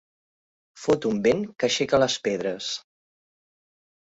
Fot un vent que aixeca les pedres.